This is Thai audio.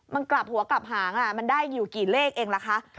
มันกลับหัวกลับหางมันได้อยู่กี่เลขเองล่ะคะ